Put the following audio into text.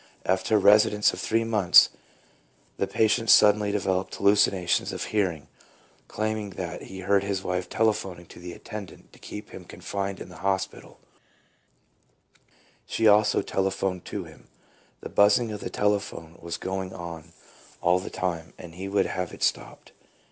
After a residence of three months the patient suddenly developed hallucinations of hearing, claiming that he heard his wife telephoning to the attendant to keep him confined in the hospital ; she also telephoned to him. The buzzing of the telephone was going on all the time, and he would have it stopped.